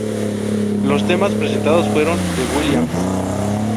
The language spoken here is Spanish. Los temas presentados fueron, de Williams.